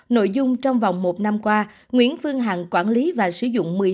nội dung trong vòng một năm qua nguyễn phương hằng quản lý và sử dụng